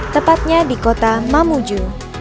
tepatnya di kota mamuju